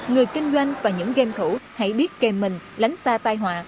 người kinh doanh và những game thủ hãy biết kề mình lánh xa tai họa